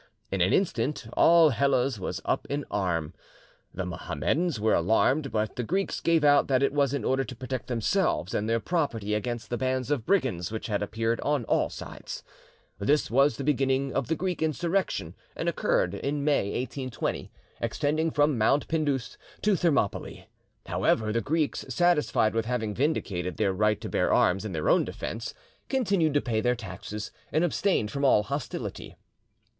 In an instant, all Hellas was up in arms. The Mohammedans were alarmed, but the Greeks gave out that it was in order to protect themselves and their property against the bands of brigands which had appeared on all sides. This was the beginning of the Greek insurrection, and occurred in May 1820, extending from Mount Pindus to Thermopylae. However, the Greeks, satisfied with having vindicated their right to bear arms in their own defence, continued to pay their taxes, and abstained from all hostility.